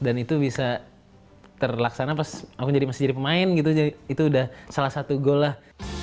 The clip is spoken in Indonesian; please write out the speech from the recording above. dan itu bisa terlaksana pas aku masih jadi pemain gitu itu udah salah satu goal lah